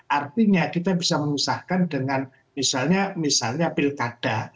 artinya kita bisa memisahkan dengan misalnya pilkada